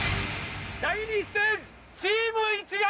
第２ステージチーム一丸！